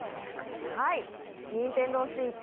ＮｉｎｔｅｎｄｏＳｗｉｔｃｈ